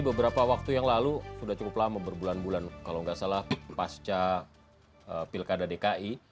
beberapa waktu yang lalu sudah cukup lama berbulan bulan kalau nggak salah pasca pilkada dki